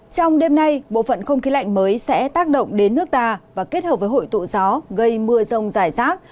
trong đêm nay bộ phận không khí lạnh mới sẽ tác động đến nước ta và kết hợp với hội tụ gió gây mưa rông rải rác